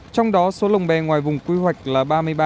trong đó số lồng bè ngoài vùng quy hoạch là ba mươi ba